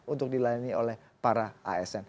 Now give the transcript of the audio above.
untuk dilayani oleh para asn